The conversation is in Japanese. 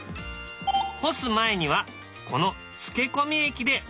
干す前にはこの漬け込み液で味をつける。